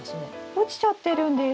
落ちちゃってるんです。